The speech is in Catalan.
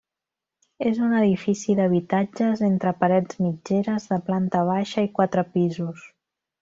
És un edifici d'habitatges entre parets mitgeres, de planta baixa i quatre pisos.